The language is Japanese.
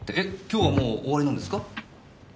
今日はもう終わりなんですか？